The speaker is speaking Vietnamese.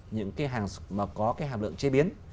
những cái hàng mà có cái hạp lượng chế biến